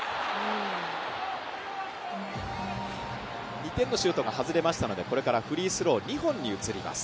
２点のシュートが外れましたのでこれからフリースロー２本に移ります。